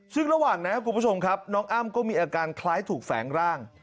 ซึ่งระหว่างนั้นคุณผู้ชมครับน้องอ้ำก็มีอาการคล้ายถูกแฝงร่าง